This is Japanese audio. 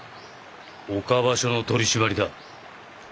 岡場所の取締りだ。